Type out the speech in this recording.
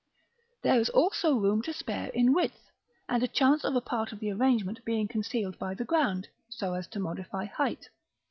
There is also room to spare in width, and a chance of a part of the arrangement being concealed by the ground, so as to modify height.